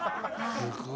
すごい！